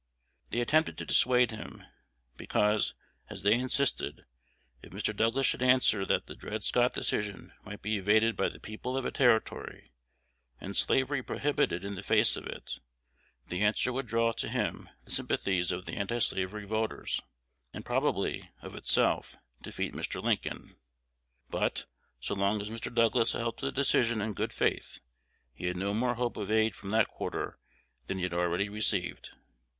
They attempted to dissuade him, because, as they insisted, if Mr. Douglas should answer that the Dred Scott Decision might be evaded by the people of a Territory, and slavery prohibited in the face of it, the answer would draw to him the sympathies of the antislavery voters, and probably, of itself, defeat Mr. Lincoln. But, so long as Mr. Douglas held to the decision in good faith, he had no hope of more aid from that quarter than he had already received.